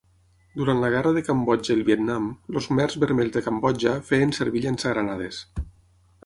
Durant la Guerra de Cambodja i el Vietnam, els khmers vermells de Cambodja feien servir llançagranades.